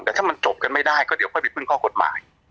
แต่ถ้ามันจบกันไม่ได้ก็เดี๋ยวค่อยไปพึ่งข้อกฎหมาย